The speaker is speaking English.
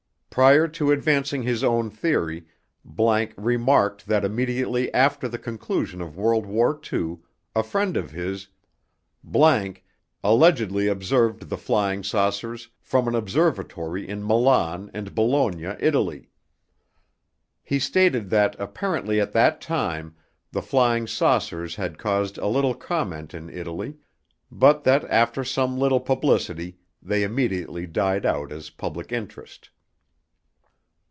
Prior to advancing his own theory, ____remarked that immediately after the conclusion of World War II, a friend of his, ____ allegedly observed the "flying saucers" from an observatory in Milan and Bologna, Italy. He stated that apparently at that time the "flying saucers" had caused a little comment in Italy but that after some little publicity they immediately died out as public interest.